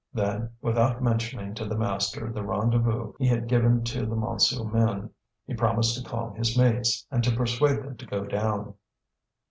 Then, without mentioning to the master the rendezvous he had given to the Montsou men, he promised to calm his mates, and to persuade them to go down.